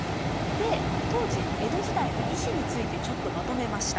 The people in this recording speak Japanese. で当時江戸時代の医師についてちょっとまとめました。